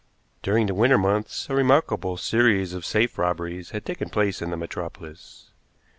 During the winter months a remarkable series of safe robberies had taken place in the metropolis.